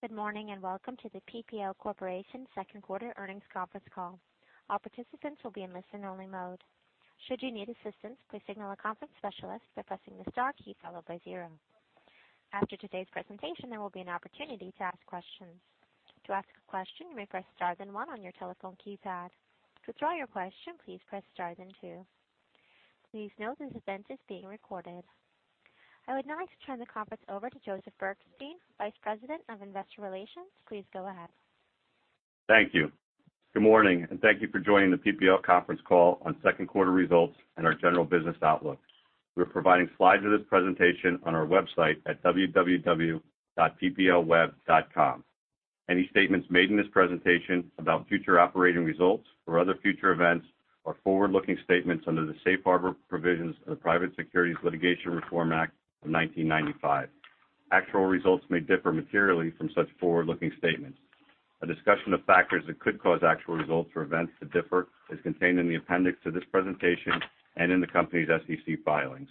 Good morning, welcome to the PPL Corporation second quarter earnings conference call. All participants will be in listen-only mode. Should you need assistance, please signal a conference specialist by pressing the star key followed by zero. After today's presentation, there will be an opportunity to ask questions. To ask a question, you may press star then one on your telephone keypad. To withdraw your question, please press stars then two. Please note this event is being recorded. I would now like to turn the conference over to Joseph Bergstein, Vice President of Investor Relations. Please go ahead. Thank you. Good morning, thank you for joining the PPL conference call on second quarter results and our general business outlook. We're providing slides of this presentation on our website at www.pplweb.com. Any statements made in this presentation about future operating results or other future events or forward-looking statements under the safe harbor provisions of the Private Securities Litigation Reform Act of 1995. Actual results may differ materially from such forward-looking statements. A discussion of factors that could cause actual results or events to differ is contained in the appendix to this presentation and in the company's SEC filings.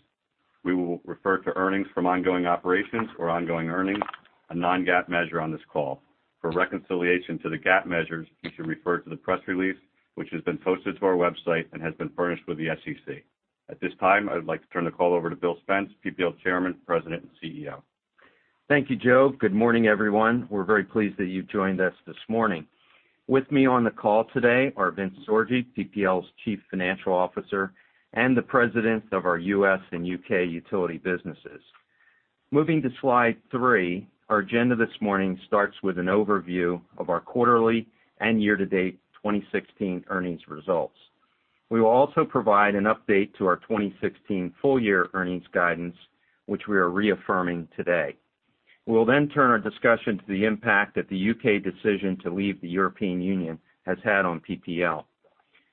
We will refer to earnings from ongoing operations or ongoing earnings, a non-GAAP measure on this call. For reconciliation to the GAAP measures, you should refer to the press release, which has been posted to our website and has been furnished with the SEC. At this time, I would like to turn the call over to Bill Spence, PPL Chairman, President, and CEO. Thank you, Joe. Good morning, everyone. We're very pleased that you've joined us this morning. With me on the call today are Vince Sorgi, PPL's Chief Financial Officer, and the presidents of our U.S. and U.K. utility businesses. Moving to slide three, our agenda this morning starts with an overview of our quarterly and year-to-date 2016 earnings results. We will also provide an update to our 2016 full-year earnings guidance, which we are reaffirming today. We'll then turn our discussion to the impact that the U.K. decision to leave the European Union has had on PPL.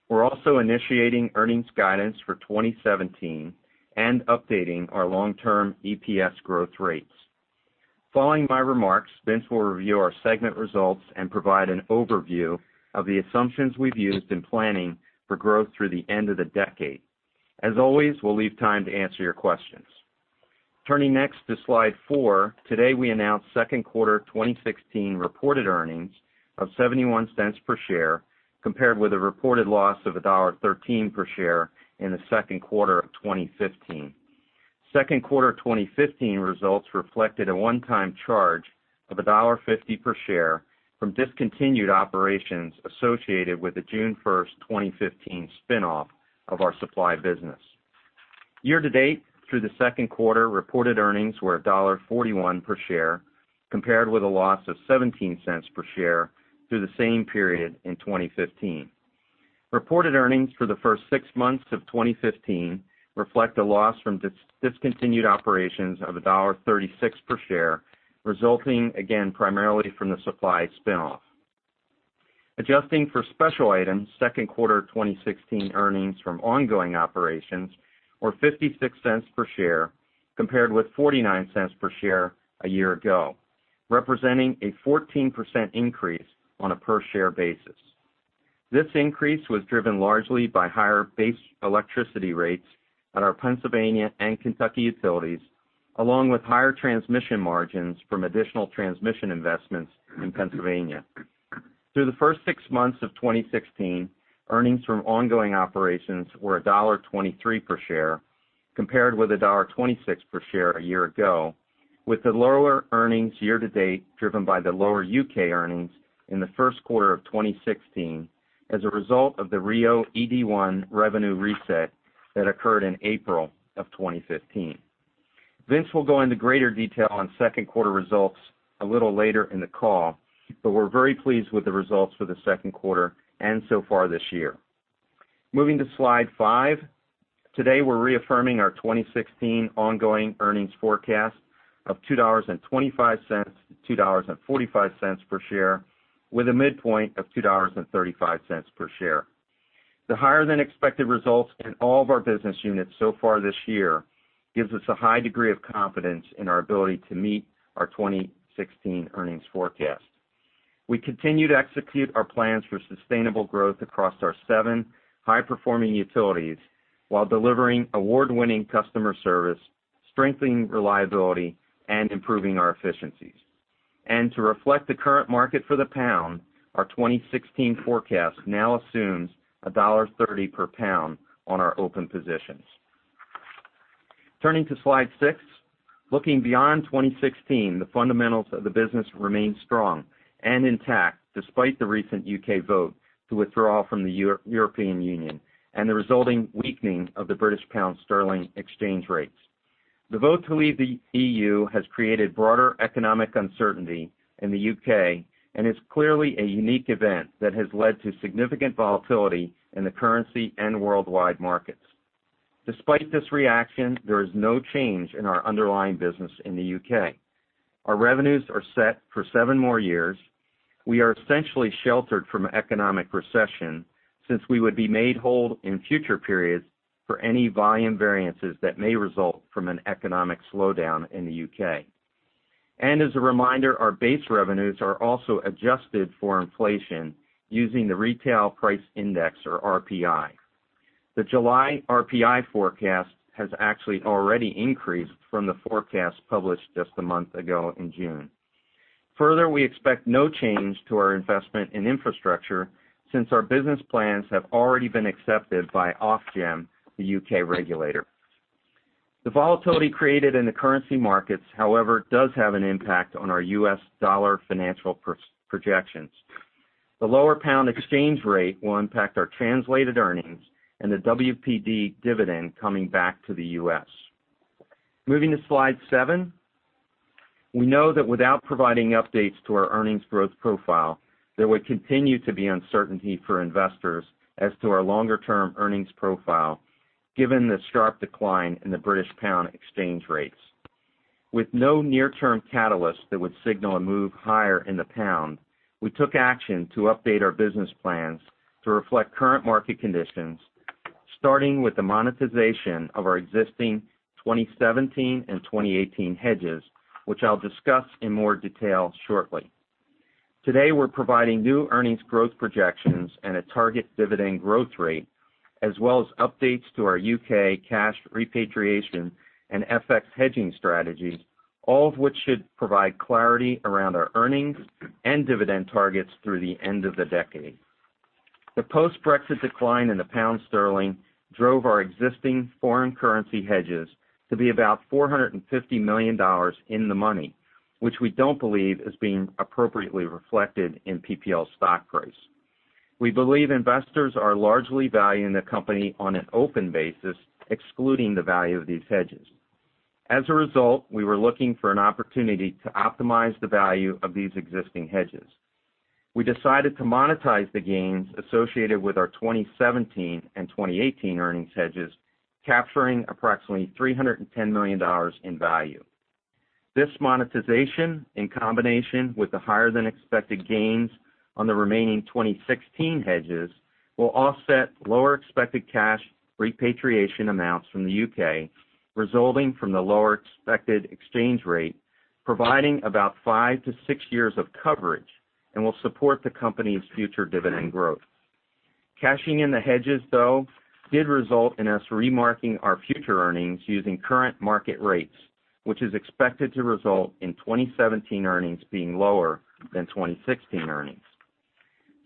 We're also initiating earnings guidance for 2017 and updating our long-term EPS growth rates. Following my remarks, Vince will review our segment results and provide an overview of the assumptions we've used in planning for growth through the end of the decade. As always, we'll leave time to answer your questions. Turning next to slide four. Today, we announced second quarter 2016 reported earnings of $0.71 per share, compared with a reported loss of $1.13 per share in the second quarter of 2015. Second quarter 2015 results reflected a one-time charge of $1.50 per share from discontinued operations associated with the June 1, 2015 spinoff of our supply business. Year-to-date, through the second quarter, reported earnings were $1.41 per share, compared with a loss of $0.17 per share through the same period in 2015. Reported earnings for the first six months of 2015 reflect a loss from discontinued operations of $1.36 per share, resulting again primarily from the supply spinoff. Adjusting for special items, second quarter 2016 earnings from ongoing operations were $0.56 per share, compared with $0.49 per share a year ago, representing a 14% increase on a per-share basis. This increase was driven largely by higher base electricity rates at our Pennsylvania and Kentucky utilities, along with higher transmission margins from additional transmission investments in Pennsylvania. Through the first six months of 2016, earnings from ongoing operations were $1.23 per share, compared with $1.26 per share a year ago, with the lower earnings year-to-date driven by the lower U.K. earnings in the first quarter of 2016 as a result of the RIIO-ED1 revenue reset that occurred in April of 2015. Vince will go into greater detail on second quarter results a little later in the call, but we're very pleased with the results for the second quarter and so far this year. Moving to slide five. Today, we're reaffirming our 2016 ongoing earnings forecast of $2.25-$2.45 per share, with a midpoint of $2.35 per share. The higher-than-expected results in all of our business units so far this year gives us a high degree of confidence in our ability to meet our 2016 earnings forecast. We continue to execute our plans for sustainable growth across our seven high-performing utilities while delivering award-winning customer service, strengthening reliability, and improving our efficiencies. To reflect the current market for the pound, our 2016 forecast now assumes $1.30 per pound on our open positions. Turning to slide six. Looking beyond 2016, the fundamentals of the business remain strong and intact despite the recent U.K. vote to withdraw from the European Union and the resulting weakening of the British pound sterling exchange rates. The vote to leave the EU has created broader economic uncertainty in the U.K. and is clearly a unique event that has led to significant volatility in the currency and worldwide markets. Despite this reaction, there is no change in our underlying business in the U.K. Our revenues are set for seven more years. We are essentially sheltered from economic recession since we would be made whole in future periods for any volume variances that may result from an economic slowdown in the U.K. As a reminder, our base revenues are also adjusted for inflation using the Retail Price Index or RPI. The July RPI forecast has actually already increased from the forecast published just a month ago in June. Further, we expect no change to our investment in infrastructure since our business plans have already been accepted by Ofgem, the U.K. regulator. The volatility created in the currency markets, however, does have an impact on our U.S. dollar financial projections. The lower pound exchange rate will impact our translated earnings and the WPD dividend coming back to the U.S. Moving to slide seven. We know that without providing updates to our earnings growth profile, there would continue to be uncertainty for investors as to our longer-term earnings profile, given the sharp decline in the British pound exchange rates. With no near-term catalyst that would signal a move higher in the pound, we took action to update our business plans to reflect current market conditions, starting with the monetization of our existing 2017 and 2018 hedges, which I'll discuss in more detail shortly. Today, we're providing new earnings growth projections and a target dividend growth rate, as well as updates to our U.K. cash repatriation and FX hedging strategies, all of which should provide clarity around our earnings and dividend targets through the end of the decade. The post-Brexit decline in the pound sterling drove our existing foreign currency hedges to be about $450 million in the money, which we don't believe is being appropriately reflected in PPL's stock price. We believe investors are largely valuing the company on an open basis, excluding the value of these hedges. As a result, we were looking for an opportunity to optimize the value of these existing hedges. We decided to monetize the gains associated with our 2017 and 2018 earnings hedges, capturing approximately $310 million in value. This monetization, in combination with the higher-than-expected gains on the remaining 2016 hedges, will offset lower expected cash repatriation amounts from the U.K., resulting from the lower expected exchange rate, providing about five to six years of coverage and will support the company's future dividend growth. Cashing in the hedges, though, did result in us remarketing our future earnings using current market rates, which is expected to result in 2017 earnings being lower than 2016 earnings.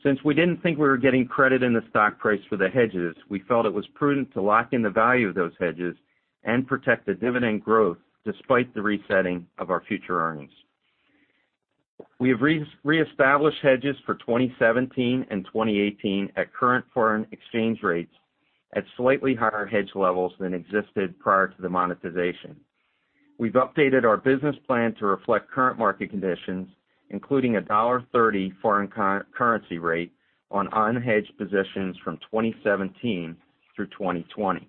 Since we didn't think we were getting credit in the stock price for the hedges, we felt it was prudent to lock in the value of those hedges and protect the dividend growth despite the resetting of our future earnings. We have reestablished hedges for 2017 and 2018 at current foreign exchange rates at slightly higher hedge levels than existed prior to the monetization. We've updated our business plan to reflect current market conditions, including a $1.30 foreign currency rate on unhedged positions from 2017 through 2020.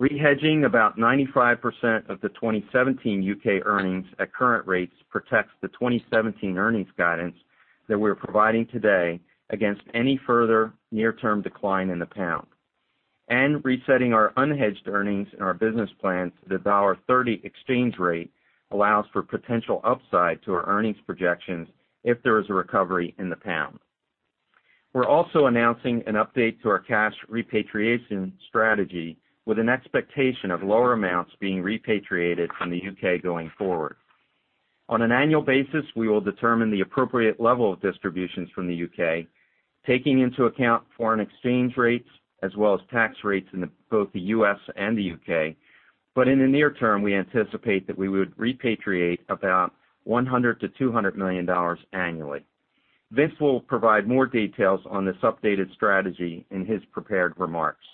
Rehedging about 95% of the 2017 U.K. earnings at current rates protects the 2017 earnings guidance that we're providing today against any further near-term decline in the pound. Resetting our unhedged earnings in our business plan to the $1.30 exchange rate allows for potential upside to our earnings projections if there is a recovery in the pound. We're also announcing an update to our cash repatriation strategy with an expectation of lower amounts being repatriated from the U.K. going forward. On an annual basis, we will determine the appropriate level of distributions from the U.K., taking into account foreign exchange rates as well as tax rates in both the U.S. and the U.K. In the near term, we anticipate that we would repatriate about $100 million-$200 million annually. Vince will provide more details on this updated strategy in his prepared remarks.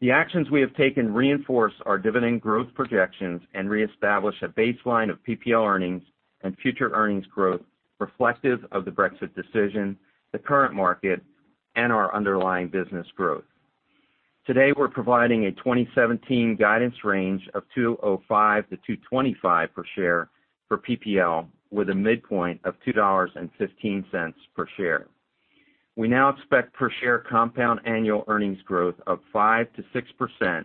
The actions we have taken reinforce our dividend growth projections and reestablish a baseline of PPL earnings and future earnings growth reflective of the Brexit decision, the current market, and our underlying business growth. Today, we're providing a 2017 guidance range of $2.05 to $2.25 per share for PPL, with a midpoint of $2.15 per share. We now expect per-share compound annual earnings growth of 5% to 6%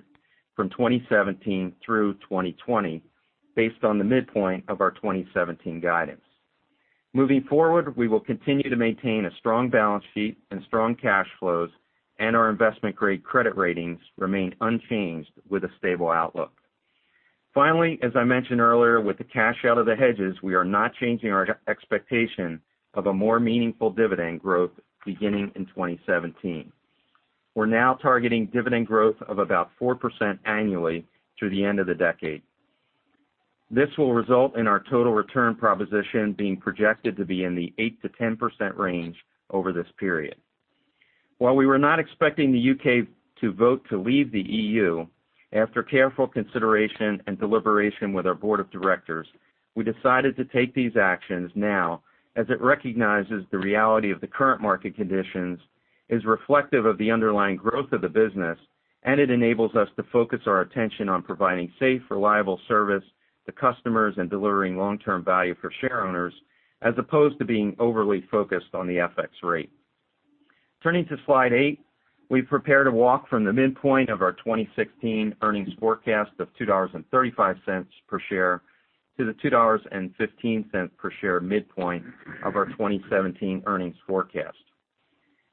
from 2017 through 2020 based on the midpoint of our 2017 guidance. Moving forward, we will continue to maintain a strong balance sheet and strong cash flows, and our investment-grade credit ratings remain unchanged with a stable outlook. Finally, as I mentioned earlier, with the cash out of the hedges, we are not changing our expectation of a more meaningful dividend growth beginning in 2017. We're now targeting dividend growth of about 4% annually through the end of the decade. This will result in our total return proposition being projected to be in the 8%-10% range over this period. While we were not expecting the U.K. to vote to leave the EU, after careful consideration and deliberation with our board of directors, we decided to take these actions now as it recognizes the reality of the current market conditions, is reflective of the underlying growth of the business, and it enables us to focus our attention on providing safe, reliable service to customers and delivering long-term value for shareowners, as opposed to being overly focused on the FX rate. Turning to slide eight. We've prepared a walk from the midpoint of our 2016 earnings forecast of $2.35 per share to the $2.15 per share midpoint of our 2017 earnings forecast.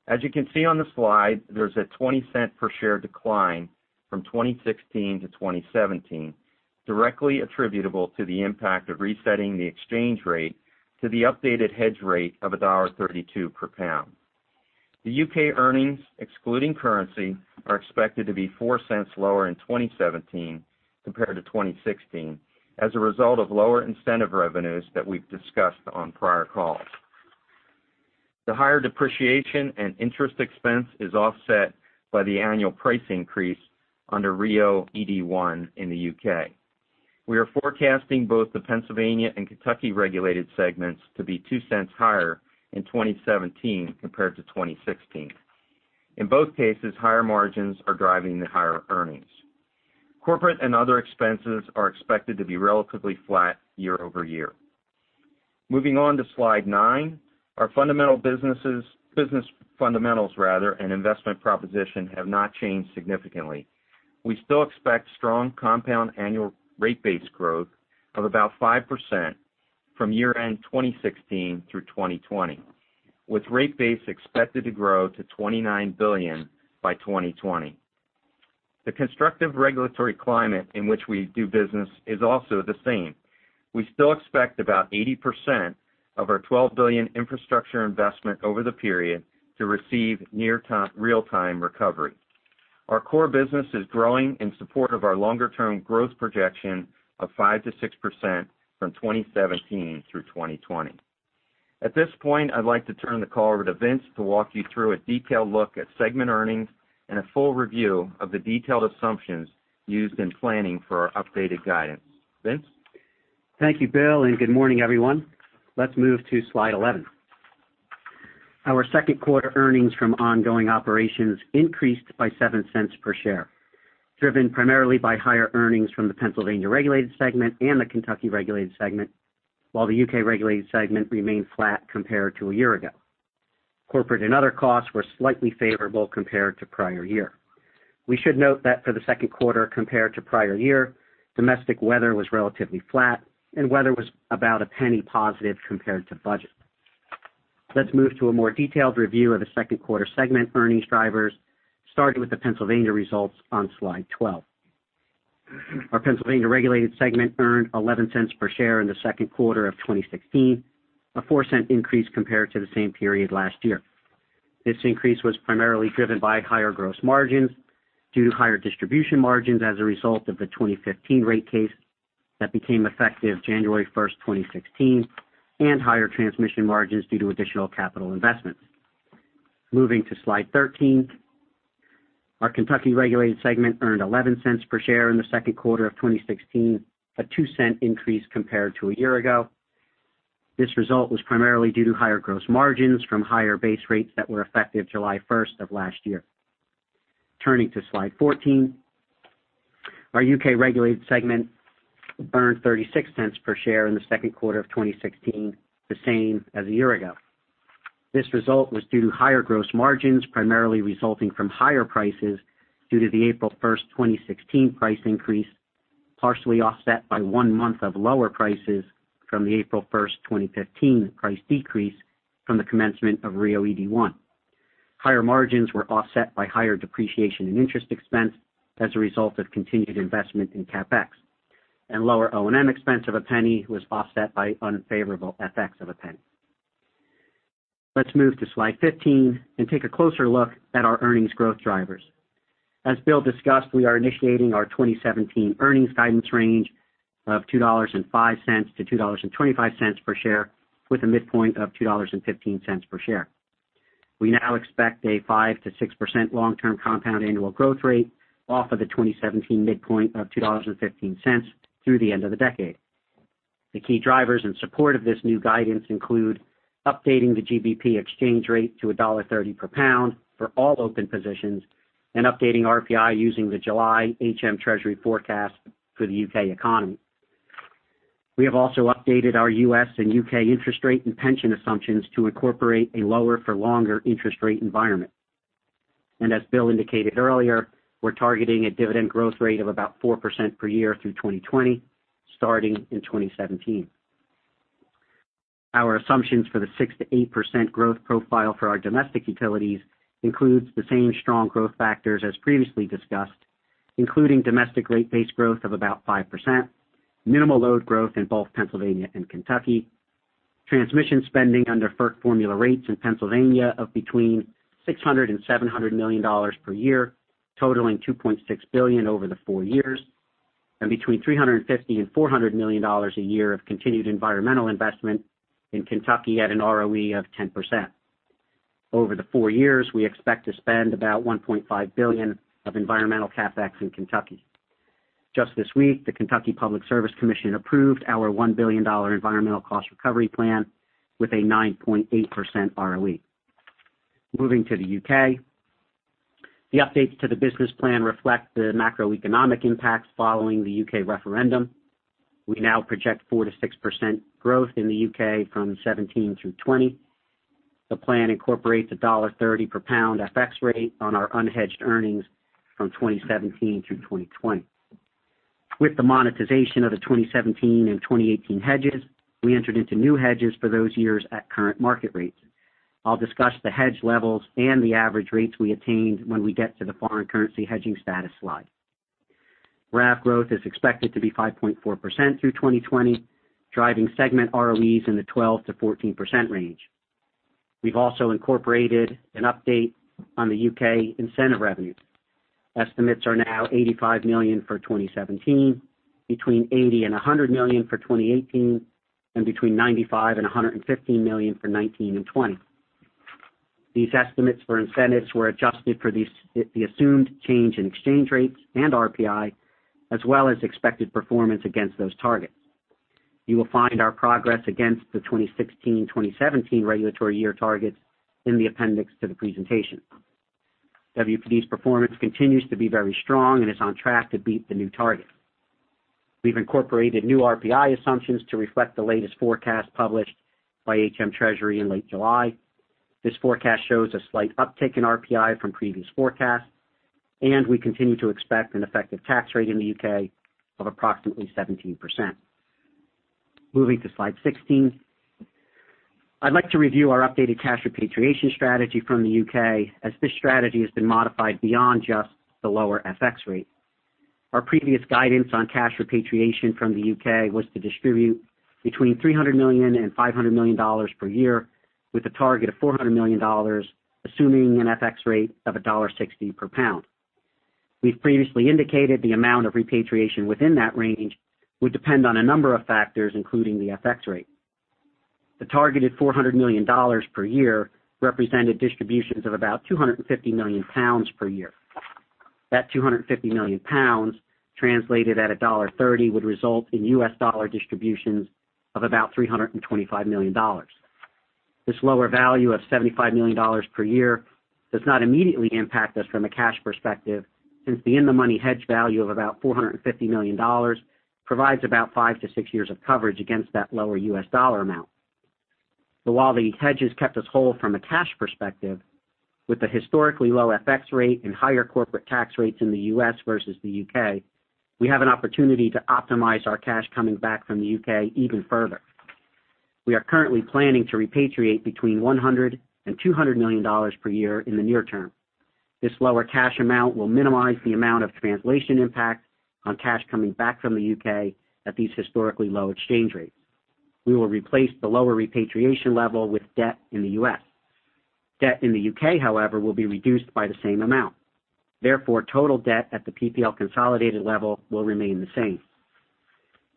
As you can see on the slide, there's a $0.20 per share decline from 2016 to 2017, directly attributable to the impact of resetting the exchange rate to the updated hedge rate of $1.32 per pound. The U.K. earnings, excluding currency, are expected to be $0.04 lower in 2017 compared to 2016, as a result of lower incentive revenues that we've discussed on prior calls. The higher depreciation and interest expense is offset by the annual price increase under RIIO-ED1 in the U.K. We are forecasting both the Pennsylvania and Kentucky regulated segments to be $0.02 higher in 2017 compared to 2016. In both cases, higher margins are driving the higher earnings. Corporate and other expenses are expected to be relatively flat year-over-year. Moving on to slide nine, our business fundamentals rather, and investment proposition have not changed significantly. We still expect strong compound annual rate base growth of about 5% from year-end 2016 through 2020, with rate base expected to grow to $29 billion by 2020. The constructive regulatory climate in which we do business is also the same. We still expect about 80% of our $12 billion infrastructure investment over the period to receive near real-time recovery. Our core business is growing in support of our longer-term growth projection of 5% to 6% from 2017 through 2020. At this point, I'd like to turn the call over to Vince to walk you through a detailed look at segment earnings and a full review of the detailed assumptions used in planning for our updated guidance. Vince? Thank you, Bill, and good morning, everyone. Let's move to slide 11. Our second quarter earnings from ongoing operations increased by $0.07 per share, driven primarily by higher earnings from the Pennsylvania regulated segment and the Kentucky regulated segment, while the U.K. regulated segment remained flat compared to a year ago. Corporate and other costs were slightly favorable compared to prior year. We should note that for the second quarter compared to prior year, domestic weather was relatively flat, and weather was about $0.01 positive compared to budget. Let's move to a more detailed review of the second quarter segment earnings drivers, starting with the Pennsylvania results on slide 12. Our Pennsylvania regulated segment earned $0.11 per share in the second quarter of 2016, a $0.04 increase compared to the same period last year. This increase was primarily driven by higher gross margins due to higher distribution margins as a result of the 2015 rate case that became effective January 1, 2016, and higher transmission margins due to additional capital investments. Moving to slide 13. Our Kentucky regulated segment earned $0.11 per share in the second quarter of 2016, a $0.02 increase compared to a year ago. This result was primarily due to higher gross margins from higher base rates that were effective July 1 of last year. Turning to slide 14. Our U.K.-regulated segment earned $0.36 per share in the second quarter of 2016, the same as a year ago. This result was due to higher gross margins, primarily resulting from higher prices due to the April 1, 2016, price increase, partially offset by one month of lower prices from the April 1, 2015, price decrease from the commencement of RIIO-ED1. Higher margins were offset by higher depreciation and interest expense as a result of continued investment in CapEx. Lower O&M expense of $0.01 was offset by unfavorable FX of $0.01. Let's move to slide 15 and take a closer look at our earnings growth drivers. As Bill discussed, we are initiating our 2017 earnings guidance range of $2.05 to $2.25 per share with a midpoint of $2.15 per share. We now expect a 5%-6% long-term compound annual growth rate off of the 2017 midpoint of $2.15 through the end of the decade. The key drivers in support of this new guidance include updating the GBP exchange rate to $1.30 per pound for all open positions and updating RPI using the July HM Treasury forecast for the U.K. economy. We have also updated our U.S. and U.K. interest rate and pension assumptions to incorporate a lower-for-longer interest rate environment. As Bill indicated earlier, we're targeting a dividend growth rate of about 4% per year through 2020, starting in 2017. Our assumptions for the 6%-8% growth profile for our domestic utilities includes the same strong growth factors as previously discussed, including domestic rate base growth of about 5%, minimal load growth in both Pennsylvania and Kentucky, transmission spending under FERC formula rates in Pennsylvania of between $600 million and $700 million per year, totaling $2.6 billion over the four years, and between $350 million and $400 million a year of continued environmental investment in Kentucky at an ROE of 10%. Over the four years, we expect to spend about $1.5 billion of environmental CapEx in Kentucky. Just this week, the Kentucky Public Service Commission approved our $1 billion environmental cost recovery plan with a 9.8% ROE. Moving to the U.K. The updates to the business plan reflect the macroeconomic impact following the U.K. referendum. We now project 4%-6% growth in the U.K. from 2017 through 2020. The plan incorporates a $1.30 per pound FX rate on our unhedged earnings from 2017 through 2020. With the monetization of the 2017 and 2018 hedges, we entered into new hedges for those years at current market rates. I will discuss the hedge levels and the average rates we attained when we get to the foreign currency hedging status slide. RAV growth is expected to be 5.4% through 2020, driving segment ROEs in the 12%-14% range. We have also incorporated an update on the U.K. incentive revenues. Estimates are now $85 million for 2017, between $80 million and $100 million for 2018, and between $95 million and $115 million for 2019 and 2020. These estimates for incentives were adjusted for the assumed change in exchange rates and RPI, as well as expected performance against those targets. You will find our progress against the 2016-2017 regulatory year targets in the appendix to the presentation. WPD's performance continues to be very strong and is on track to beat the new target. We have incorporated new RPI assumptions to reflect the latest forecast published by HM Treasury in late July. This forecast shows a slight uptick in RPI from previous forecasts, and we continue to expect an effective tax rate in the U.K. of approximately 17%. Moving to slide 16. I would like to review our updated cash repatriation strategy from the U.K., as this strategy has been modified beyond just the lower FX rate. Our previous guidance on cash repatriation from the U.K. was to distribute between $300 million and $500 million per year, with a target of $400 million, assuming an FX rate of $1.60 per pound. We have previously indicated the amount of repatriation within that range would depend on a number of factors, including the FX rate. The targeted $400 million per year represented distributions of about 250 million pounds per year. That 250 million pounds, translated at $1.30, would result in US dollar distributions of about $325 million. This lower value of $75 million per year does not immediately impact us from a cash perspective, since the in-the-money hedge value of about $450 million provides about 5-6 years of coverage against that lower US dollar amount. While the hedges kept us whole from a cash perspective, with the historically low FX rate and higher corporate tax rates in the U.S. versus the U.K., we have an opportunity to optimize our cash coming back from the U.K. even further. We are currently planning to repatriate between $100 million and $200 million per year in the near term. This lower cash amount will minimize the amount of translation impact on cash coming back from the U.K. at these historically low exchange rates. We will replace the lower repatriation level with debt in the U.S. Debt in the U.K., however, will be reduced by the same amount. Therefore, total debt at the PPL consolidated level will remain the same.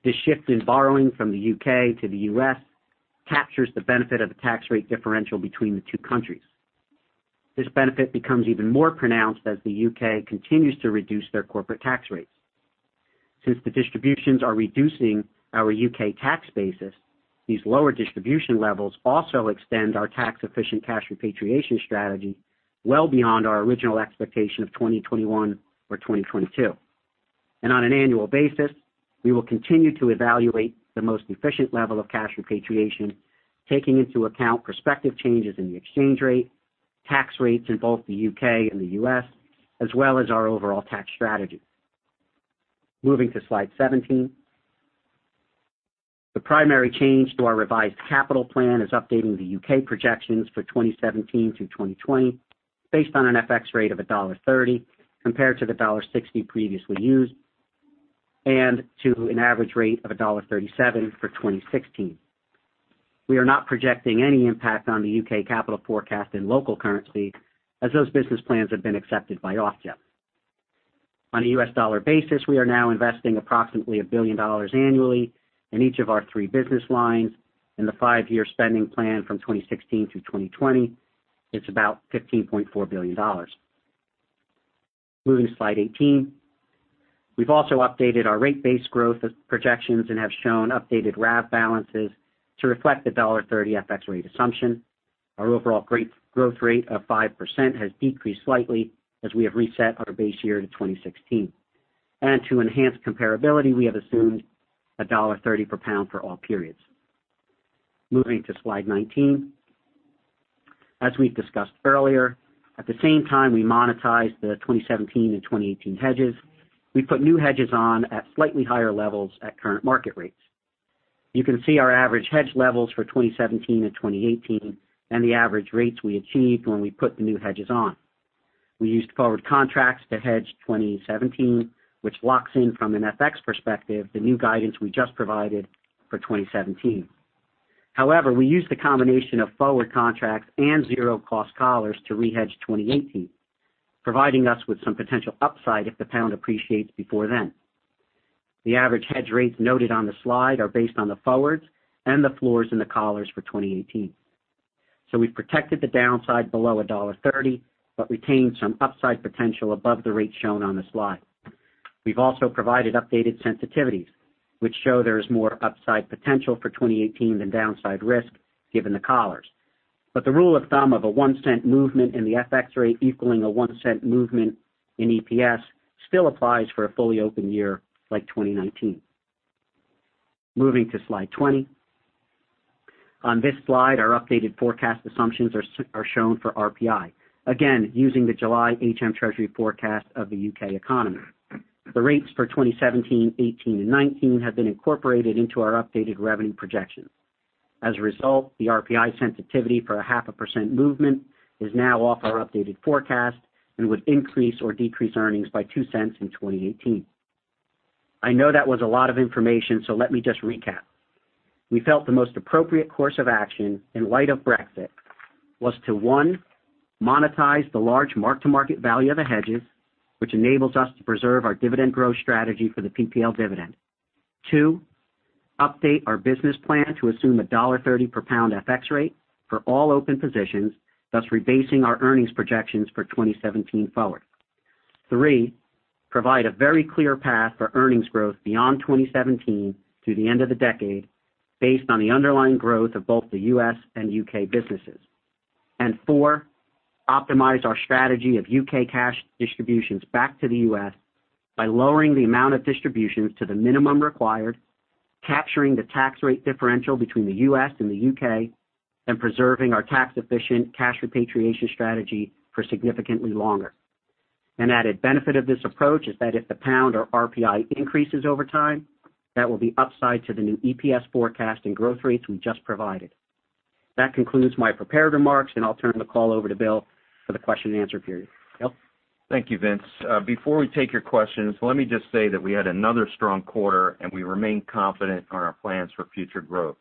This shift in borrowing from the U.K. to the U.S. captures the benefit of the tax rate differential between the two countries. This benefit becomes even more pronounced as the U.K. continues to reduce their corporate tax rates. Since the distributions are reducing our U.K. tax basis, these lower distribution levels also extend our tax-efficient cash repatriation strategy well beyond our original expectation of 2021 or 2022. On an annual basis, we will continue to evaluate the most efficient level of cash repatriation, taking into account prospective changes in the exchange rate, tax rates in both the U.K. and the U.S., as well as our overall tax strategy. Moving to slide 17. The primary change to our revised capital plan is updating the U.K. projections for 2017 through 2020 based on an FX rate of $1.30 compared to the $1.60 previously used, and to an average rate of $1.37 for 2016. We are not projecting any impact on the U.K. capital forecast in local currency, as those business plans have been accepted by Ofgem. On a U.S. dollar basis, we are now investing approximately $1 billion annually in each of our three business lines, and the five-year spending plan from 2016 to 2020 is about $15.4 billion. Moving to slide 18. We've also updated our rate base growth projections and have shown updated RAV balances to reflect the $1.30 FX rate assumption. Our overall growth rate of 5% has decreased slightly as we have reset our base year to 2016. To enhance comparability, we have assumed $1.30 per pound for all periods. Moving to slide 19. As we've discussed earlier, at the same time we monetized the 2017 and 2018 hedges, we put new hedges on at slightly higher levels at current market rates. You can see our average hedge levels for 2017 and 2018 and the average rates we achieved when we put the new hedges on. We used forward contracts to hedge 2017, which locks in, from an FX perspective, the new guidance we just provided for 2017. However, we used a combination of forward contracts and zero cost collars to rehedge 2018, providing us with some potential upside if the pound appreciates before then. The average hedge rates noted on the slide are based on the forwards and the floors in the collars for 2018. We've protected the downside below $1.30 but retained some upside potential above the rates shown on the slide. We've also provided updated sensitivities, which show there is more upside potential for 2018 than downside risk given the collars. The rule of thumb of a $0.01 movement in the FX rate equaling a $0.01 movement in EPS still applies for a fully open year like 2019. Moving to slide 20. On this slide, our updated forecast assumptions are shown for RPI. Again, using the July HM Treasury forecast of the U.K. economy. The rates for 2017, 2018, and 2019 have been incorporated into our updated revenue projections. As a result, the RPI sensitivity for a half a percent movement is now off our updated forecast and would increase or decrease earnings by $0.02 in 2018. I know that was a lot of information, let me just recap. We felt the most appropriate course of action in light of Brexit was to, one, monetize the large mark-to-market value of the hedges, which enables us to preserve our dividend growth strategy for the PPL dividend. Two, update our business plan to assume a $1.30 per pound FX rate for all open positions, thus rebasing our earnings projections for 2017 forward. Three, provide a very clear path for earnings growth beyond 2017 through the end of the decade based on the underlying growth of both the U.S. and U.K. businesses. Four, optimize our strategy of U.K. cash distributions back to the U.S. by lowering the amount of distributions to the minimum required, capturing the tax rate differential between the U.S. and the U.K., and preserving our tax-efficient cash repatriation strategy for significantly longer. An added benefit of this approach is that if the pound or RPI increases over time, that will be upside to the new EPS forecast and growth rates we just provided. That concludes my prepared remarks, I'll turn the call over to Bill for the question and answer period. Bill? Thank you, Vince. Before we take your questions, let me just say that we had another strong quarter, We remain confident on our plans for future growth.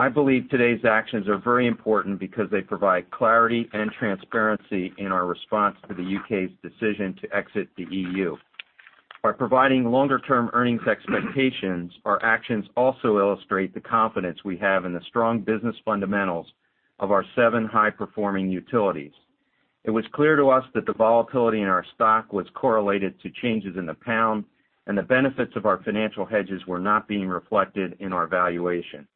I believe today's actions are very important because they provide clarity and transparency in our response to the U.K.'s decision to exit the EU. By providing longer-term earnings expectations, our actions also illustrate the confidence we have in the strong business fundamentals of our seven high-performing utilities. It was clear to us that the volatility in our stock was correlated to changes in the pound, The benefits of our financial hedges were not being reflected in our valuation.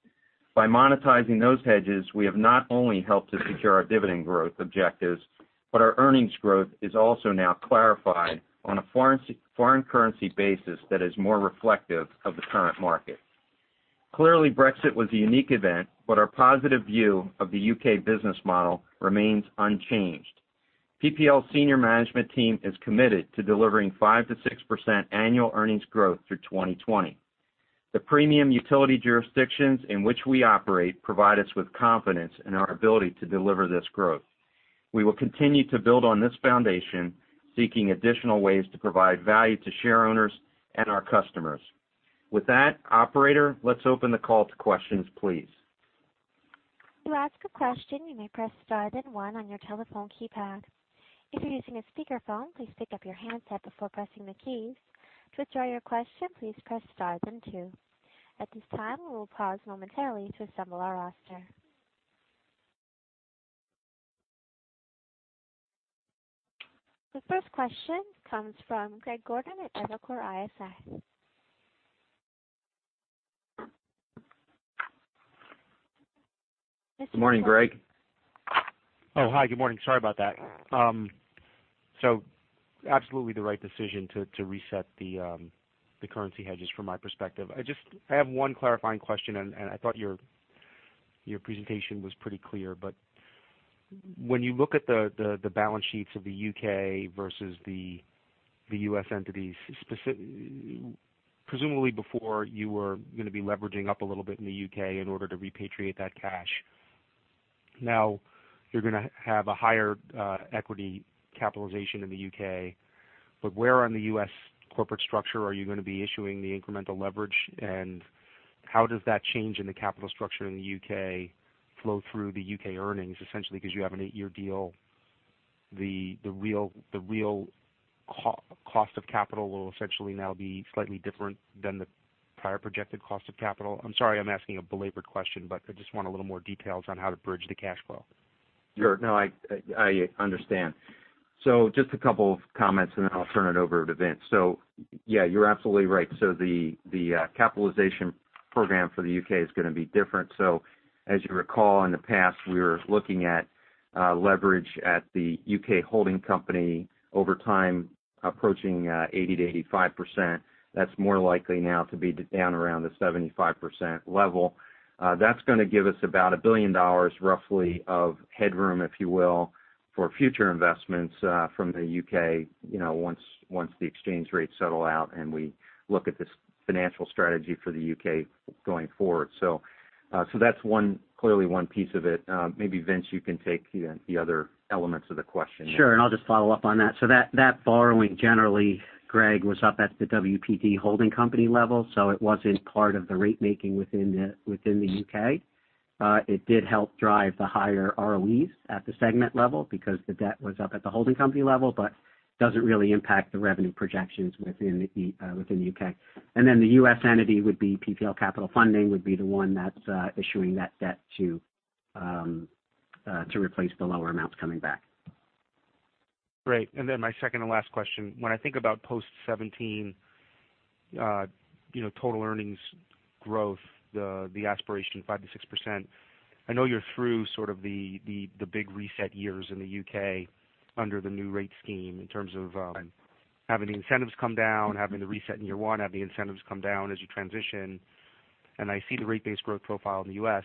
By monetizing those hedges, we have not only helped to secure our dividend growth objectives, Our earnings growth is also now clarified on a foreign currency basis that is more reflective of the current market. Clearly, Brexit was a unique event, Our positive view of the U.K. business model remains unchanged. PPL senior management team is committed to delivering 5%-6% annual earnings growth through 2020. The premium utility jurisdictions in which we operate provide us with confidence in our ability to deliver this growth. We will continue to build on this foundation, seeking additional ways to provide value to share owners and our customers. With that, operator, let's open the call to questions, please. To ask a question, you may press star then one on your telephone keypad. If you're using a speakerphone, please pick up your handset before pressing the keys. To withdraw your question, please press stars then two. At this time, we will pause momentarily to assemble our roster. The first question comes from Greg Gordon at Evercore ISI. Good morning, Greg. Oh, hi, good morning. Sorry about that. Absolutely the right decision to reset the currency hedges from my perspective. I have one clarifying question, I thought your presentation was pretty clear. When you look at the balance sheets of the U.K. versus the U.S. entities, presumably before you were going to be leveraging up a little bit in the U.K. in order to repatriate that cash. Now you're going to have a higher equity capitalization in the U.K., where on the U.S. corporate structure are you going to be issuing the incremental leverage? And how does that change in the capital structure in the U.K. flow through the U.K. earnings? Essentially because you have an eight-year deal, the real cost of capital will essentially now be slightly different than the prior projected cost of capital. I'm sorry I'm asking a belabored question, I just want a little more details on how to bridge the cash flow. Sure. No, I understand. Just a couple of comments, and then I'll turn it over to Vince. Yeah, you're absolutely right. The capitalization program for the U.K. is going to be different. As you recall, in the past, we were looking at leverage at the U.K. holding company over time approaching 80%-85%. That's more likely now to be down around the 75% level. That's going to give us about $1 billion roughly of headroom, if you will, for future investments from the U.K. once the exchange rates settle out and we look at this financial strategy for the U.K. going forward. That's clearly one piece of it. Maybe, Vince, you can take the other elements of the question. Sure. I'll just follow up on that. That borrowing generally, Greg, was up at the WPD holding company level. It wasn't part of the rate making within the U.K. It did help drive the higher ROEs at the segment level because the debt was up at the holding company level, but doesn't really impact the revenue projections within the U.K. The U.S. entity would be PPL Capital Funding would be the one that's issuing that debt to replace the lower amounts coming back. Great. My second and last question. When I think about post 2017 total earnings growth, the aspiration of 5%-6%, I know you're through sort of the big reset years in the U.K. under the new rate scheme in terms of- Having the incentives come down, having the reset in year one, have the incentives come down as you transition. I see the rate base growth profile in the U.S.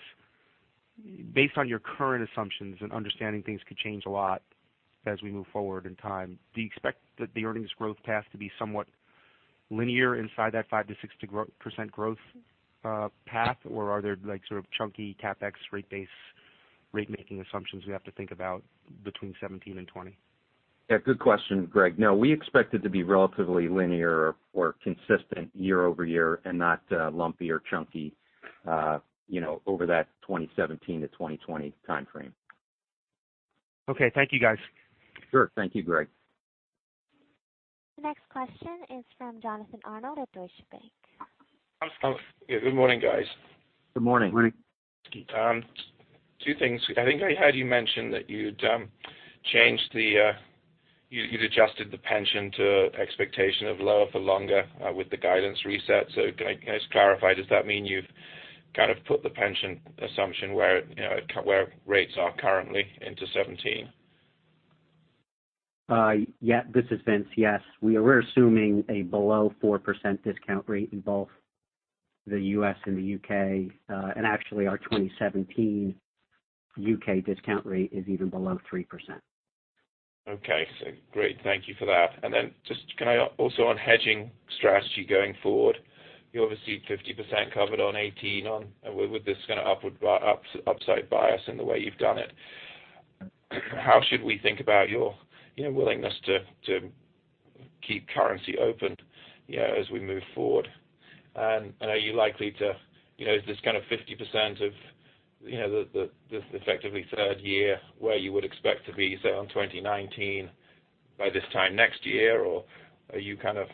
Based on your current assumptions and understanding things could change a lot as we move forward in time, do you expect that the earnings growth path to be somewhat linear inside that 5%-6% growth path? Or are there sort of chunky CapEx rate base rate-making assumptions we have to think about between 2017 and 2020? Yeah. Good question, Greg. No, we expect it to be relatively linear or consistent year-over-year and not lumpy or chunky over that 2017-2020 time frame. Okay. Thank you, guys. Sure. Thank you, Greg. The next question is from Jonathan Arnold at Deutsche Bank. Yeah. Good morning, guys. Good morning. Morning. Two things. I think I heard you mention that you'd adjusted the pension to expectation of lower for longer with the guidance reset. Can I just clarify, does that mean you've kind of put the pension assumption where rates are currently into 2017? Yes. This is Vince. Yes. We're assuming a below 4% discount rate in both the U.S. and the U.K. Actually, our 2017 U.K. discount rate is even below 3%. Okay. Great. Thank you for that. Just can I also on hedging strategy going forward, you're obviously 50% covered on 2018 on with this kind of upside bias in the way you've done it. How should we think about your willingness to keep currency open as we move forward? Are you likely to, is this kind of 50% of the effectively third year where you would expect to be, say, on 2019 by this time next year, or are you kind of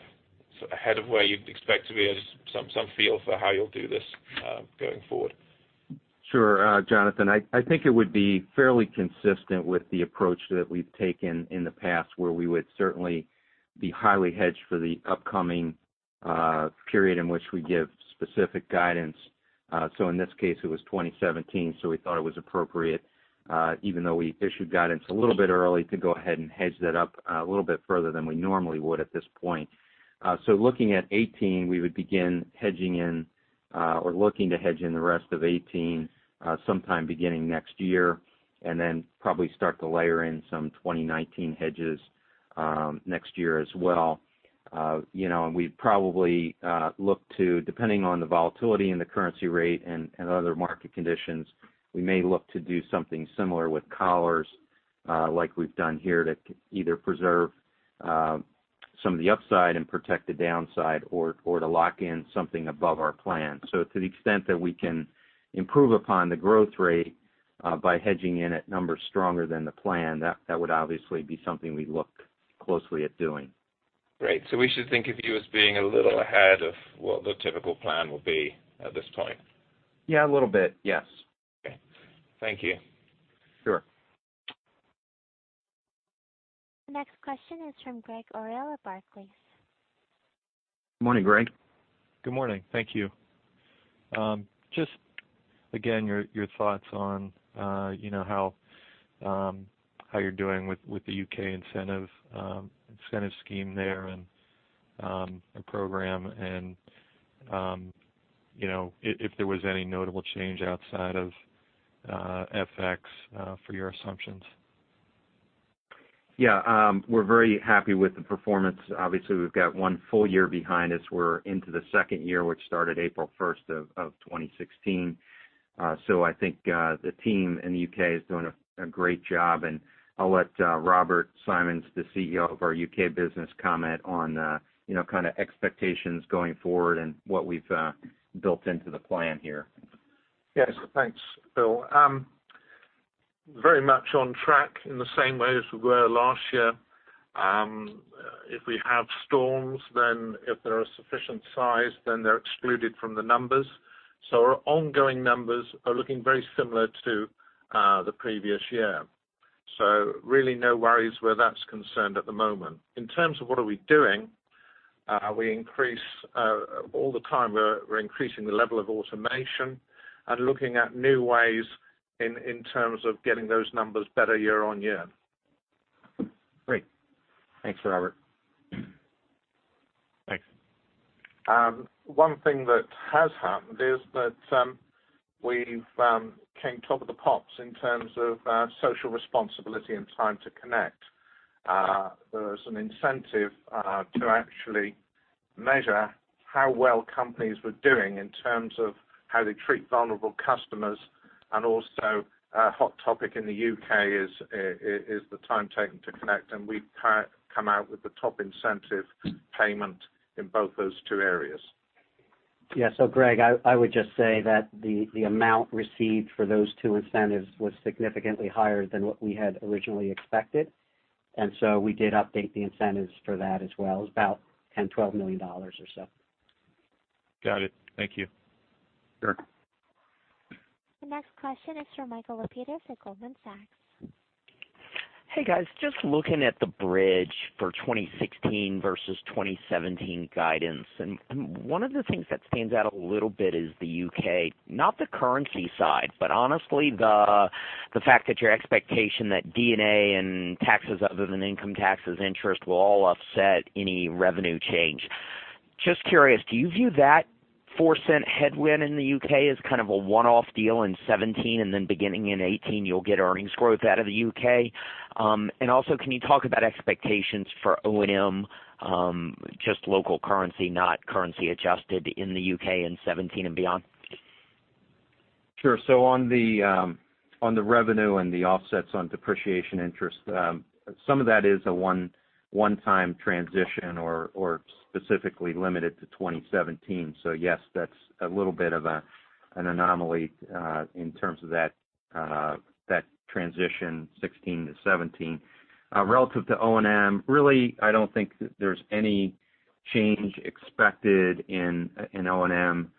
ahead of where you'd expect to be as some feel for how you'll do this going forward? Sure. Jonathan, I think it would be fairly consistent with the approach that we've taken in the past where we would certainly be highly hedged for the upcoming period in which we give specific guidance. In this case, it was 2017, we thought it was appropriate even though we issued guidance a little bit early to go ahead and hedge that up a little bit further than we normally would at this point. Looking at '18, we would begin hedging in or looking to hedge in the rest of '18 sometime beginning next year, then probably start to layer in some 2019 hedges next year as well. We'd probably look to, depending on the volatility and the currency rate and other market conditions, we may look to do something similar with collars like we've done here to either preserve some of the upside and protect the downside or to lock in something above our plan. To the extent that we can improve upon the growth rate by hedging in at numbers stronger than the plan, that would obviously be something we'd look closely at doing. Great. We should think of you as being a little ahead of what the typical plan will be at this point. Yeah, a little bit. Yes. Okay. Thank you. Sure. The next question is from Gregg Orrill at Barclays. Morning, Gregg. Good morning. Thank you. Just again, your thoughts on how you're doing with the U.K. incentive scheme there and program and if there was any notable change outside of FX for your assumptions. Yeah. We're very happy with the performance. Obviously, we've got one full year behind us. We're into the second year, which started April 1st of 2016. I think the team in the U.K. is doing a great job, and I'll let Robert Symons, the CEO of our U.K. business, comment on kind of expectations going forward and what we've built into the plan here. Yes. Thanks, Bill. Very much on track in the same way as we were last year. If we have storms, then if they're a sufficient size, then they're excluded from the numbers. Our ongoing numbers are looking very similar to the previous year. Really no worries where that's concerned at the moment. In terms of what are we doing, all the time, we're increasing the level of automation and looking at new ways in terms of getting those numbers better year on year. Great. Thanks, Robert. Thanks. One thing that has happened is that we've came top of the pops in terms of social responsibility and time to connect. There was an incentive to actually measure how well companies were doing in terms of how they treat vulnerable customers, also a hot topic in the U.K. is the time taken to connect, and we've come out with the top incentive payment in both those two areas. Yeah. Gregg, I would just say that the amount received for those two incentives was significantly higher than what we had originally expected. We did update the incentives for that as well. It was about $10 million-$12 million or so. Got it. Thank you. Sure. The next question is from Michael Lapides at Goldman Sachs. Hey, guys. Just looking at the bridge for 2016 versus 2017 guidance, one of the things that stands out a little bit is the U.K., not the currency side, but honestly the fact that your expectation that D&A and taxes other than income taxes interest will all offset any revenue change. Just curious, do you view that $0.04 headwind in the U.K. as kind of a one-off deal in 2017, then beginning in 2018 you'll get earnings growth out of the U.K.? Also, can you talk about expectations for O&M, just local currency, not currency adjusted in the U.K. in 2017 and beyond? Sure. On the revenue and the offsets on depreciation interest, some of that is a one-time transition or specifically limited to 2017. Yes, that's a little bit of an anomaly in terms of that transition 2016 to 2017. Relative to O&M, really, I don't think that there's any change expected in O&M.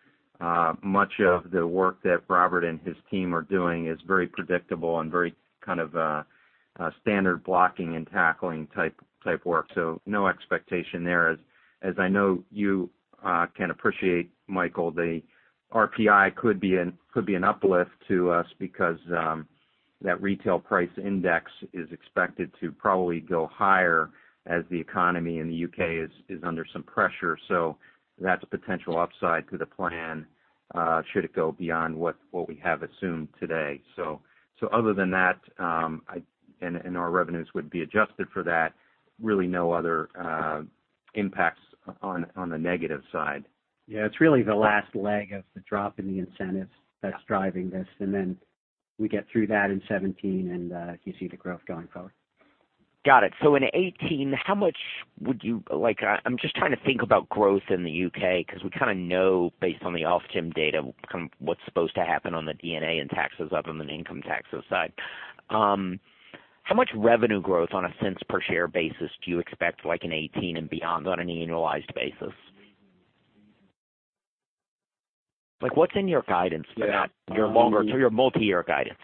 Much of the work that Robert Symons and his team are doing is very predictable and very standard blocking and tackling type work. No expectation there. As I know you can appreciate, Michael, the RPI could be an uplift to us because that Retail Price Index is expected to probably go higher as the economy in the U.K. is under some pressure. That's a potential upside to the plan should it go beyond what we have assumed today. Other than that, our revenues would be adjusted for that, really no other impacts on the negative side. Yeah. It's really the last leg of the drop in the incentives that's driving this. We get through that in 2017 and you see the growth going forward. Got it. In 2018, I'm just trying to think about growth in the U.K. because we kind of know based on the Ofgem data, what's supposed to happen on the D&A and taxes up and then income taxes side. How much revenue growth on a cents per share basis do you expect like in 2018 and beyond on an annualized basis? What's in your guidance- Yeah Your longer, so your multi-year guidance?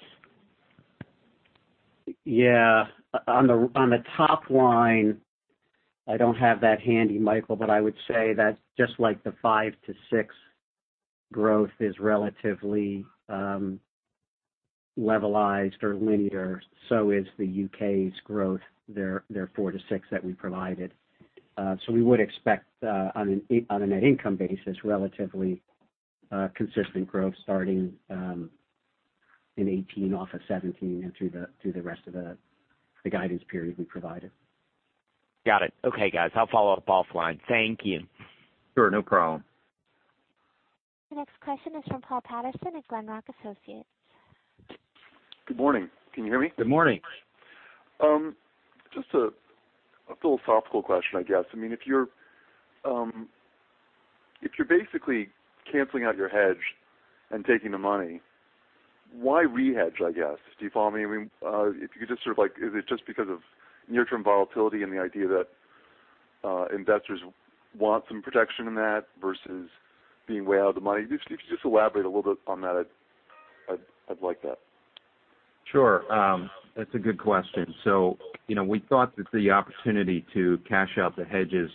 Yeah. On the top line, I don't have that handy, Michael, but I would say that just like the five to six growth is relatively levelized or linear, so is the U.K.'s growth, their four to six that we provided. We would expect on a net income basis, relatively consistent growth starting in 2018, off of 2017, and through the rest of the guidance period we provided. Got it. Okay, guys, I'll follow up offline. Thank you. Sure, no problem. The next question is from Paul Patterson at Glenrock Associates. Good morning. Can you hear me? Good morning. Just a philosophical question, I guess. If you're basically canceling out your hedge and taking the money, why rehedge, I guess? Do you follow me? If you could just sort of like, is it just because of near-term volatility and the idea that investors want some protection in that versus being way out of the money? If you could just elaborate a little bit on that, I'd like that. Sure. That's a good question. We thought that the opportunity to cash out the hedges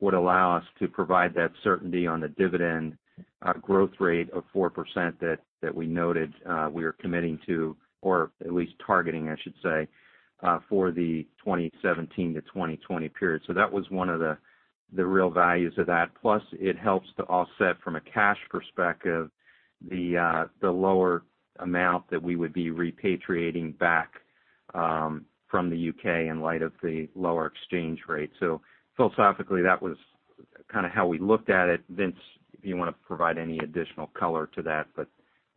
would allow us to provide that certainty on the dividend growth rate of 4% that we noted we are committing to, or at least targeting, I should say, for the 2017 to 2020 period. That was one of the real values of that. Plus, it helps to offset from a cash perspective the lower amount that we would be repatriating back from the U.K. in light of the lower exchange rate. Philosophically, that was kind of how we looked at it. Vince, if you want to provide any additional color to that,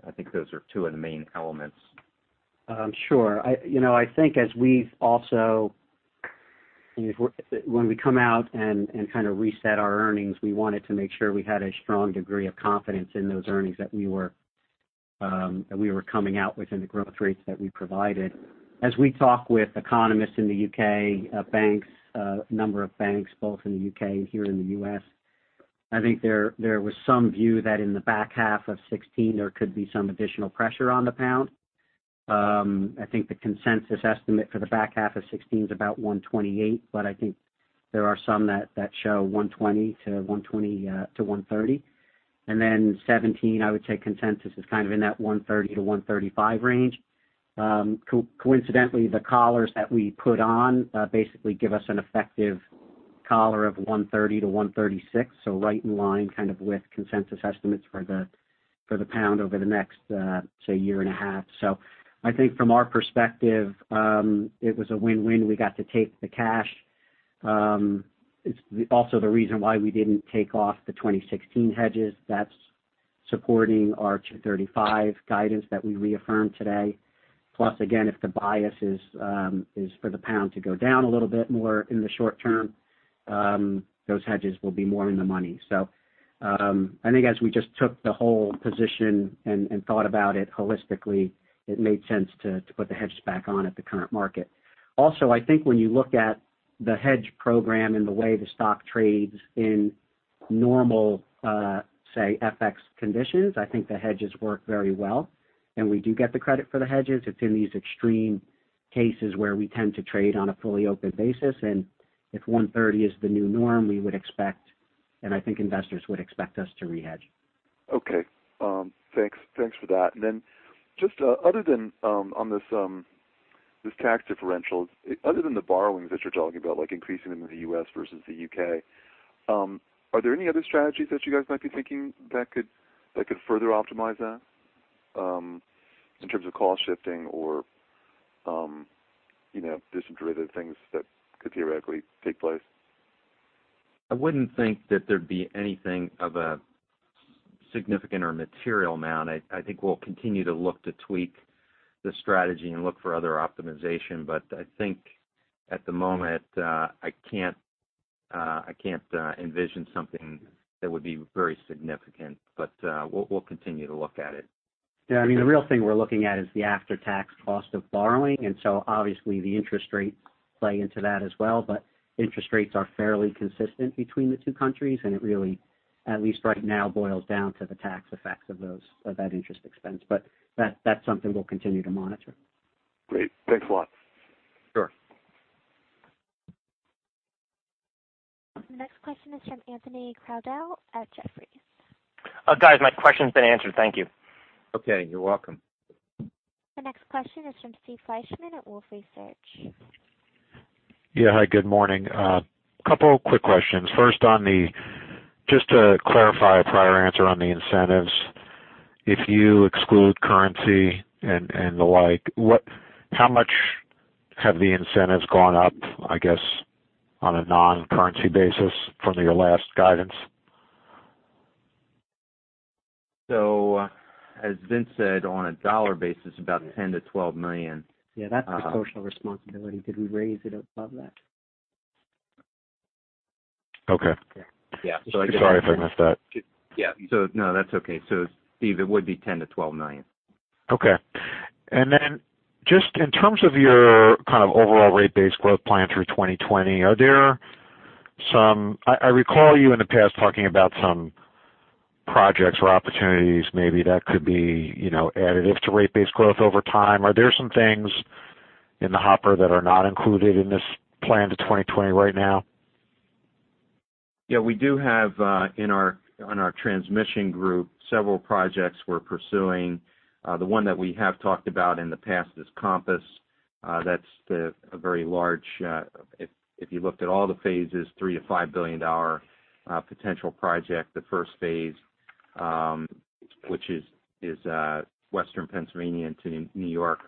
I think those are two of the main elements. Sure. When we come out and kind of reset our earnings, we wanted to make sure we had a strong degree of confidence in those earnings that we were coming out within the growth rates that we provided. As we talk with economists in the U.K., banks, a number of banks both in the U.K. and here in the U.S., I think there was some view that in the back half of 2016, there could be some additional pressure on the pound. I think the consensus estimate for the back half of 2016 is about 128, I think there are some that show 120-130. 2017, I would say consensus is kind of in that 130-135 range. Coincidentally, the collars that we put on basically give us an effective collar of 130-136. Right in line kind of with consensus estimates for the pound over the next, say year and a half. I think from our perspective, it was a win-win. We got to take the cash. It's also the reason why we didn't take off the 2016 hedges that's supporting our $2.35 guidance that we reaffirmed today. Again, if the bias is for the pound to go down a little bit more in the short term, those hedges will be more in the money. I think as we just took the whole position and thought about it holistically, it made sense to put the hedge back on at the current market. I think when you look at the hedge program and the way the stock trades in normal, say FX conditions, I think the hedges work very well, and we do get the credit for the hedges. It's in these extreme cases where we tend to trade on a fully open basis. If 130 is the new norm, we would expect, and I think investors would expect us to rehedge. Okay. Thanks for that. Just other than on this tax differential, other than the borrowings that you're talking about, like increasing them in the U.S. versus the U.K., are there any other strategies that you guys might be thinking that could further optimize that? In terms of cost shifting or different derivative things that could theoretically take place. I wouldn't think that there'd be anything of a significant or material amount. I think we'll continue to look to tweak the strategy and look for other optimization, but I think at the moment, I can't envision something that would be very significant. We'll continue to look at it. I mean, the real thing we're looking at is the after-tax cost of borrowing. Obviously the interest rates play into that as well, interest rates are fairly consistent between the two countries, and it really, at least right now, boils down to the tax effects of that interest expense. That's something we'll continue to monitor. Great. Thanks a lot. Sure. The next question is from Anthony Crowdell at Jefferies. Guys, my question's been answered. Thank you. Okay, you're welcome. The next question is from Steve Fleishman at Wolfe Research. Yeah. Hi, good morning. A couple of quick questions. First, just to clarify a prior answer on the incentives. If you exclude currency and the like, how much have the incentives gone up, I guess, on a non-currency basis from your last guidance? As Vince said, on a dollar basis, about $10 million-$12 million. Yeah, that's the social responsibility. Did we raise it above that? Okay. Yeah. Sorry if I missed that. Yeah. No, that's okay. Steve, it would be $10 million-$12 million. Okay. Just in terms of your kind of overall rate base growth plan through 2020, I recall you in the past talking about some projects or opportunities maybe that could be additive to rate base growth over time. Are there some things in the hopper that are not included in this plan to 2020 right now? Yeah, we do have, in our transmission group, several projects we're pursuing. The one that we have talked about in the past is Compass. That's a very large, if you looked at all the phases, a $3 billion-$5 billion potential project. The first phase, which is Western Pennsylvania to New York,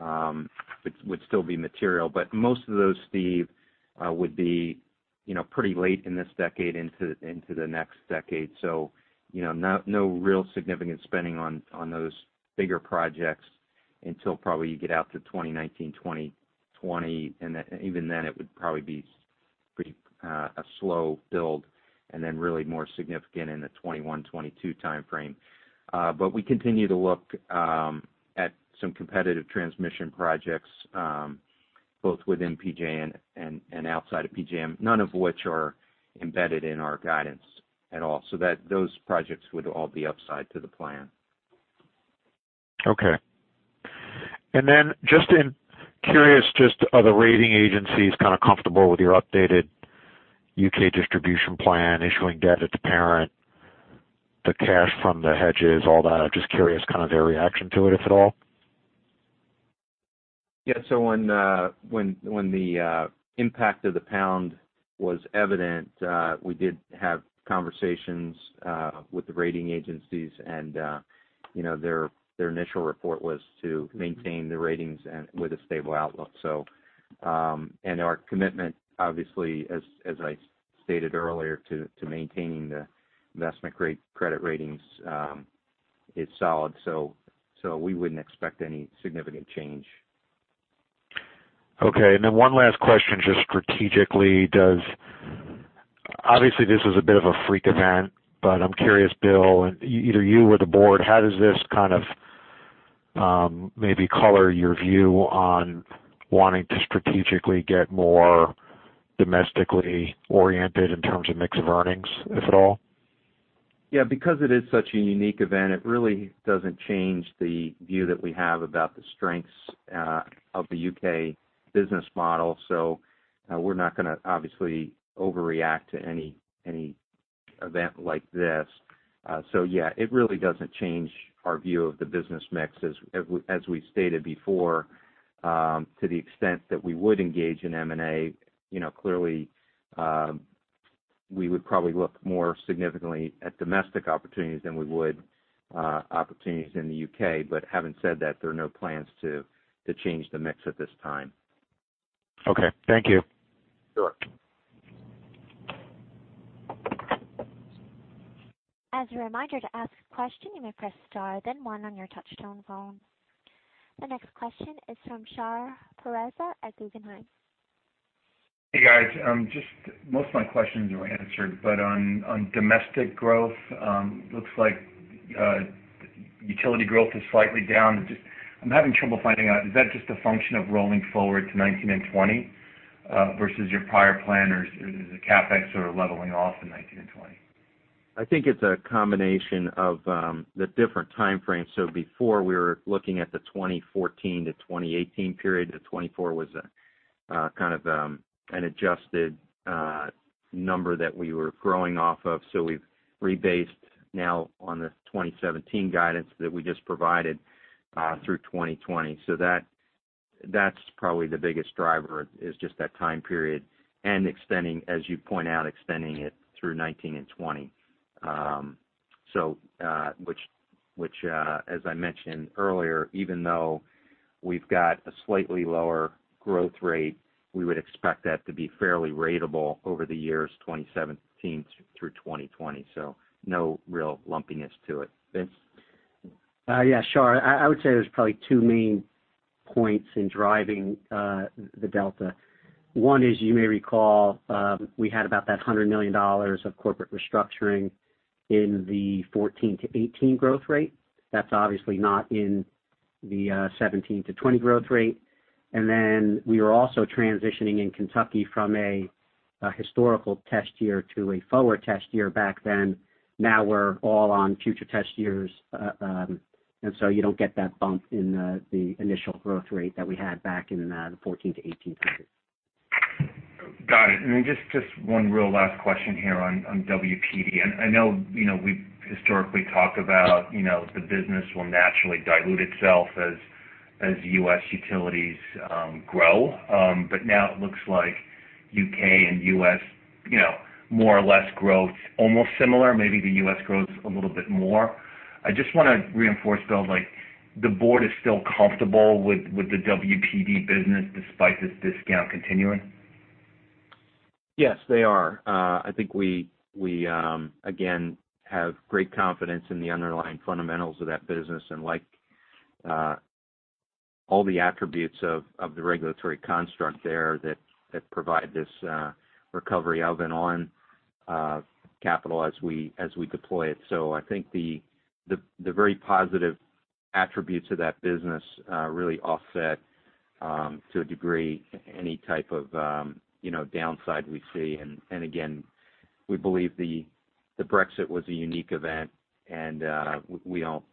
would still be material. Most of those, Steve, would be pretty late in this decade into the next decade. No real significant spending on those bigger projects until probably you get out to 2019, 2020, and even then it would probably be a slow build and then really more significant in the 2021, 2022 timeframe. We continue to look at some competitive transmission projects, both within PJM and outside of PJM, none of which are embedded in our guidance at all. Those projects would all be upside to the plan. Okay. One last question, just strategically. overreact to any event like this. It really doesn't change our view of the business mix. As we've stated before, to the extent that we would engage in M&A, clearly, we would probably look more significantly at domestic opportunities than we would opportunities in the U.K. Having said that, there are no plans to change the mix at this time. Okay. Thank you. Sure. As a reminder, to ask a question, you may press star then one on your touchtone phone. The next question is from Shar Pourreza at Guggenheim. Hey, guys. Most of my questions were answered, on domestic growth, looks like utility growth is slightly down. I'm having trouble finding out, is that just a function of rolling forward to 2019 and 2020 versus your prior plan? Is the CapEx sort of leveling off in 2019 and 2020? I think it's a combination of the different time frames. Before, we were looking at the 2014 to 2018 period. The 2024 was a kind of an adjusted number that we were growing off of. We've rebased now on the 2017 guidance that we just provided through 2020. That's probably the biggest driver, is just that time period and extending, as you point out, extending it through 2019 and 2020. As I mentioned earlier, even though we've got a slightly lower growth rate, we would expect that to be fairly ratable over the years 2017 through 2020. No real lumpiness to it. Spence? Yeah, sure. I would say there's probably two main points in driving the delta. One is, you may recall, we had about that $100 million of corporate restructuring in the 2014 to 2018 growth rate. That's obviously not in the 2017 to 2020 growth rate. We were also transitioning in Kentucky from a historical test year to a forward test year back then. Now we're all on future test years, you don't get that bump in the initial growth rate that we had back in the 2014 to 2018 period. Got it. Just one real last question here on WPD. I know we historically talk about the business will naturally dilute itself as U.S. utilities grow. Now it looks like U.K. and U.S., more or less growth almost similar. Maybe the U.S. grows a little bit more. I just want to reinforce, though, the board is still comfortable with the WPD business despite this discount continuing? Yes, they are. I think we, again, have great confidence in the underlying fundamentals of that business and like all the attributes of the regulatory construct there that provide this recovery of and on capital as we deploy it. I think the very positive attributes of that business really offset, to a degree, any type of downside we see. Again, we believe the Brexit was a unique event and we don't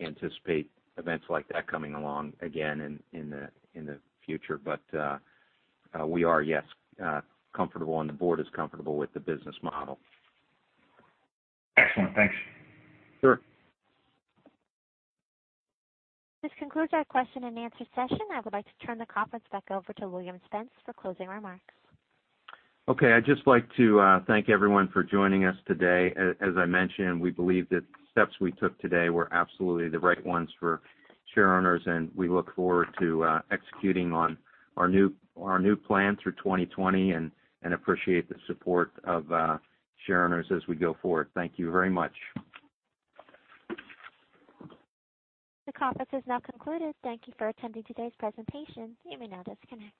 anticipate events like that coming along again in the future. We are, yes, comfortable and the board is comfortable with the business model. Excellent. Thanks. Sure. This concludes our question and answer session. I would like to turn the conference back over to William Spence for closing remarks. Okay. I'd just like to thank everyone for joining us today. As I mentioned, we believe that the steps we took today were absolutely the right ones for share owners, and we look forward to executing on our new plan through 2020 and appreciate the support of share owners as we go forward. Thank you very much. The conference is now concluded. Thank you for attending today's presentation. You may now disconnect.